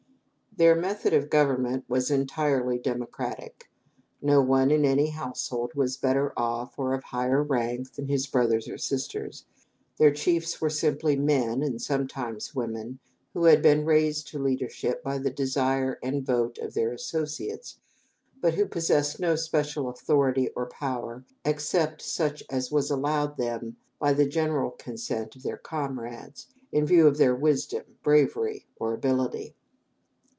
Their method of government was entirely democratic. No one, in any household, was better off or of higher rank than his brothers or sisters. Their chiefs were simply men (and sometimes women) who had been raised to leadership by the desire and vote of their associates, but who possessed no special authority or power, except such as was allowed them by the general consent of their comrades, in view of their wisdom, bravery, or ability.